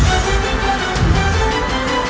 aku akan mencari dia